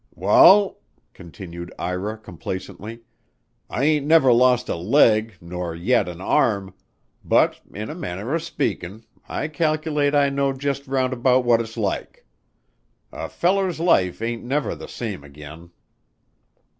"Wa'al," continued Ira complacently, "I ain't never lost a leg nor yet an arm but, in a manner of speakin', I cal'late I know just round about what it's like. A feller's life ain't never the same ag'in.